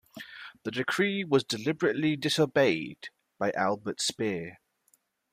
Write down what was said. The decree was deliberately disobeyed by Albert Speer.